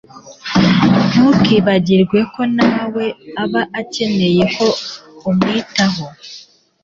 ntukibagirwe ko na we aba akeneye ko umwitaho